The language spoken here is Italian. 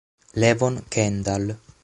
Levon Kendall